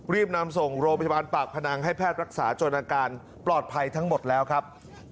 รีบนำส่งโรงพยาบาลปากพนังให้แพทย์รักษาจนอาการปลอดภัยทั้งหมดแล้วครับ